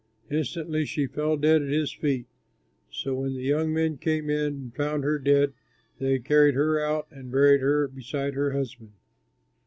Instantly she fell dead at his feet; so when the young men came in and found her dead, they carried her out and buried her beside her husband.